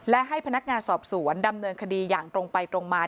และให้พนักงานสอบสวนดำเนินคดีอย่างตรงไปตรงมา